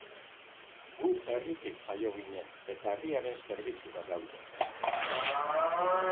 Gu herritik jaio ginen eta herriaren zerbitzura gaude.